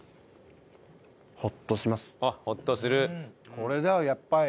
これだよやっぱり。